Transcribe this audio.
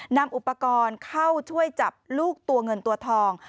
นำอุปกรณ์เข้าช่วยจับลูกตัวเงินตัวทอง